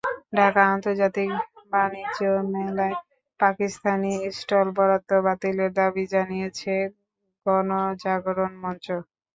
ঢাকা আন্তর্জাতিক বাণিজ্য মেলায় পাকিস্তানি স্টল বরাদ্দ বাতিলের দাবি জানিয়েছে গণজাগরণ মঞ্চ।